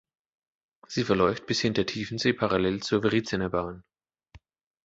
Sie verläuft bis hinter Tiefensee parallel zur Wriezener Bahn.